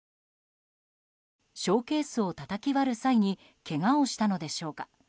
ショーケースをたたき割る際にけがをしたのでしょうか